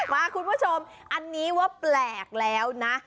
คุณผู้ชมอันนี้ว่าแปลกแล้วนะ